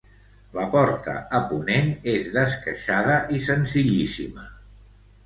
La porta a ponent és d'esqueixada i senzillíssima.